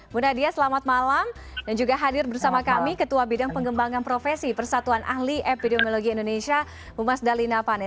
bu nadia selamat malam dan juga hadir bersama kami ketua bidang pengembangan profesi persatuan ahli epidemiologi indonesia bu mas dalina pane